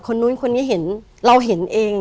นู้นคนนี้เห็นเราเห็นเอง